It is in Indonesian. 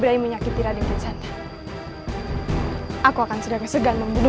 berhasil mengangkut haiwan investigations di valiala siapapun